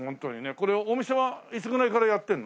これお店はいつぐらいからやってるの？